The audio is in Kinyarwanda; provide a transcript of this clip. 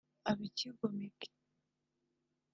aba icyigomeke